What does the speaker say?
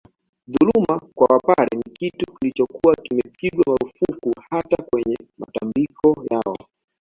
Dhuluma kwa Wapare ni kitu kilichokuwa kimepigwa marufuku hata kwenye matambiko yao